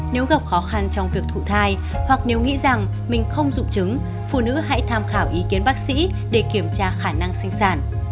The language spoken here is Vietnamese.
nếu gặp khó khăn trong việc thụ thai hoặc nếu nghĩ rằng mình không dụng chứng phụ nữ hãy tham khảo ý kiến bác sĩ để kiểm tra khả năng sinh sản